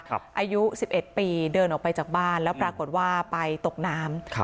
อายุ๑๑ปีเดินออกไปจากบ้านแล้วปรากฏว่าไปตกน้ำ